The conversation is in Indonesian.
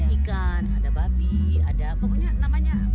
ada ikan ada babi ada pokoknya namanya